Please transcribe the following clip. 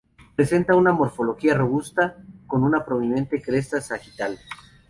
Presenta una morfología robusta, con una prominente cresta sagital.